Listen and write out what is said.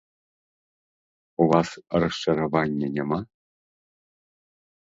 У вас расчаравання няма?